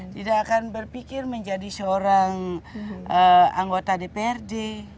tidak akan berpikir menjadi seorang anggota dprd